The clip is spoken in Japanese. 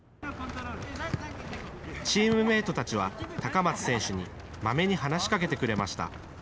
チームメートたちは高松選手に、まめに話しかけてくれました。